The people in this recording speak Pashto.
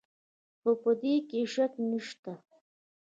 خو په دې کې شک نشته.